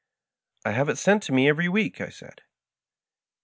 "I have it sent me every week," I said.